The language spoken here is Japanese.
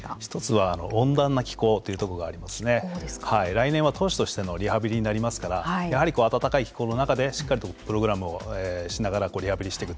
来年は投手としてのリハビリになりますからやはり暖かい気候の中でしっかりとプログラムをしながらリハビリしていく。